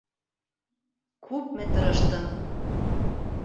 Күпме тырыштым.